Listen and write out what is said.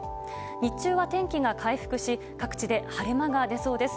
日中は天気が回復し各地で晴れ間が出そうです。